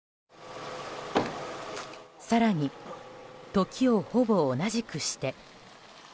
更に、時をほぼ同じくして。